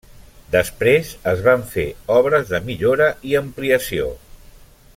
Després es van fer obres de millora i ampliació.